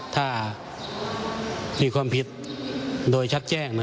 ถ้ามีความผิดโดยชัดแจ้ง